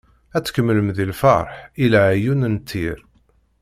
Ad tkemlem deg lferḥ, i leɛyun n ṭṭir.